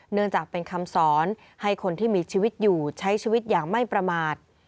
เนื่องจากเป็นคำสอนให้คนที่มีชีวิตอยู่ใช้ชีวิตอย่างไม่ประมาท